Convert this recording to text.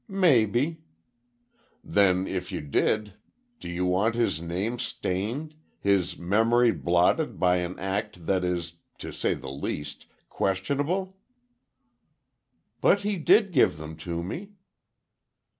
"Maybe." "Then, if you did, do you want his name stained, his memory blotted by an act that is, to say the least, questionable?" "But he did give them to me."